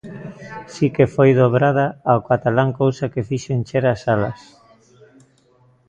Si que foi dobrada ao catalán, cousa que fixo encher as salas.